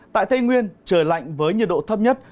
tại tây nguyên trời lạnh với nhiệt độ thấp nhất